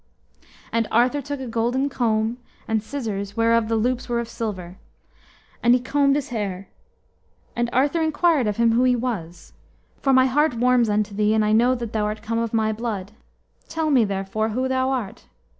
And Arthur took a golden comb, and scissors whereof the loops were of silver, and he combed his hair. And Arthur inquired of him who he was; "for my heart warms unto thee, and I know that thou art come of my blood. Tell me, therefore, who thou art."